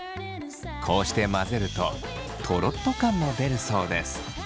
こうして混ぜるととろっと感も出るそうです。